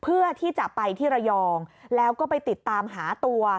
เพื่อที่จะไปที่ระยองแล้วก็ไปติดตามหาตัว